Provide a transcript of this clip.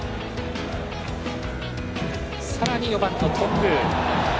さらに４番の頓宮。